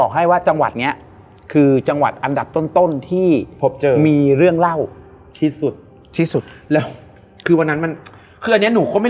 ไหนมนตร์มนตร์หรือรู้สึกว่ามันขนลุก